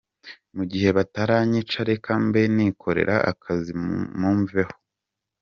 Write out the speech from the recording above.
Mu gihe bataranyica reka mbe nikorera akazi mumveho.”